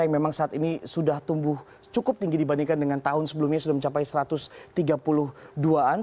yang memang saat ini sudah tumbuh cukup tinggi dibandingkan dengan tahun sebelumnya sudah mencapai satu ratus tiga puluh dua an